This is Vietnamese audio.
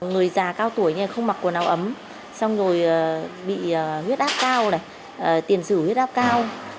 người già cao tuổi không mặc quần áo ấm xong rồi bị huyết áp cao tiền xử huyết áp cao